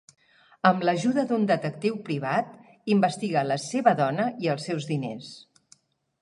Amb l'ajuda d'un detectiu privat, investiga la seva dona i els seus diners.